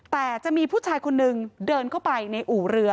แต่จะมีผู้ชายคนนึงเดินเข้าไปในอู่เรือ